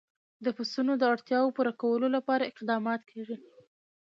د پسونو د اړتیاوو پوره کولو لپاره اقدامات کېږي.